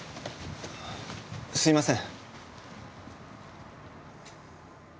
すいません。